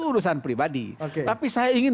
urusan pribadi tapi saya ingin